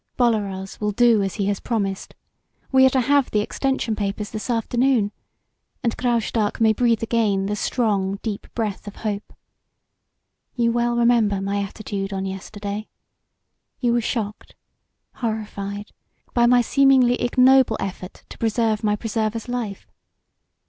Bolaroz will do as he has promised. We are to have the extension papers this afternoon, and Graustark may breathe again the strong, deep breath of hope. You well remember my attitude on yesterday. You were shocked, horrified, amazed by my seemingly ignoble effort to preserve my preserver's life.